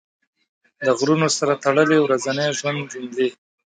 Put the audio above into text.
د غرونو سره تړلې ورځني ژوند جملې